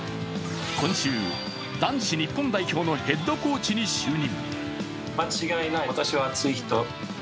今週、男子日本代表のヘッドコーチに就任。